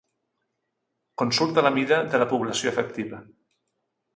Consulta la mida de la població efectiva.